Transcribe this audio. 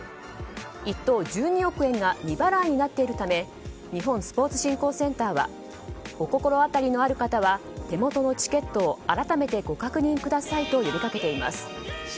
１等、１２億円が未払いになっているため日本スポーツ振興センターはお心当たりのある方は手元のチケットを改めてご確認くださいと呼びかけています。